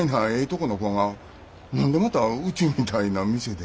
この子が何でまたうちみたいな店で。